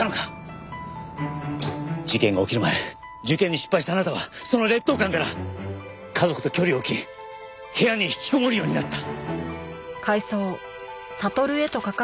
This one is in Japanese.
事件が起きる前受験に失敗したあなたはその劣等感から家族と距離を置き部屋に引きこもるようになった。